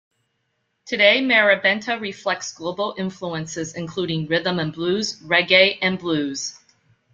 Today, Marrabenta reflects global influences, including rhythm and blues, reggae, and blues.